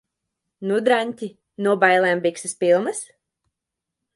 Nu, draņķi? No bailēm bikses pilnas?